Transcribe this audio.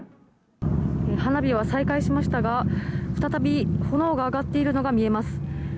花火は再開しましたが、再び炎が上がっているのが見えます。